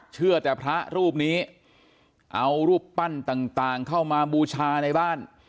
เชื่อแต่พระรูปนี้เอารูปปั้นต่างเข้ามาบูชาในบ้าน